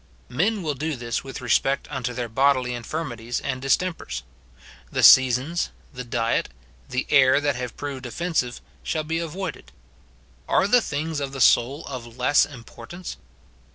Men will do this with respect unto their bodily infirmi ties and distempers. The seasons, the diet, the air that have proved ofiensive shall be avoided. Are the things of the soul of less importance